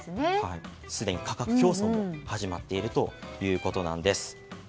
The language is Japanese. すでに価格競争も始まっているということなんです。